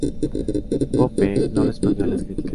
Pope no respondió a las críticas.